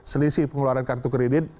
selisih pengeluaran kartu kredit